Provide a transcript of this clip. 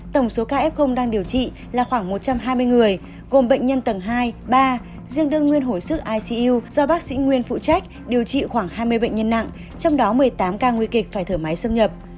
tổng số ca f đang điều trị là khoảng một trăm hai mươi người gồm bệnh nhân tầng hai ba riêng đương nguyên hồi sức icu do bác sĩ nguyên phụ trách điều trị khoảng hai mươi bệnh nhân nặng trong đó một mươi tám ca nguy kịch phải thở máy xâm nhập